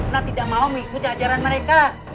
nah tidak mau mengikuti ajaran mereka